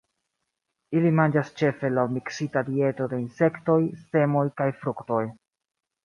Ili manĝas ĉefe laŭ miksita dieto de insektoj, semoj kaj fruktoj.